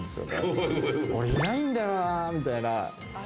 俺いないんだよなみたいな。